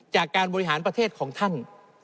จากการบริหารประเทศของท่าน